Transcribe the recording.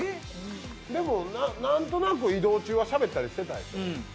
でも、何となく移動中はしゃべったりしてたよね。